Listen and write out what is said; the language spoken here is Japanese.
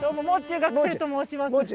もう中学生と申します。